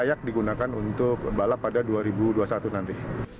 dan juga bisa digunakan untuk balap pada dua ribu dua puluh satu nanti